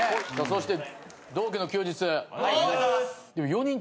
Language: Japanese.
そして。